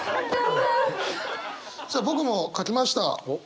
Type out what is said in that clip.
さあ僕も書きました。